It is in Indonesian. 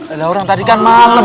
alah orang tadi kan malem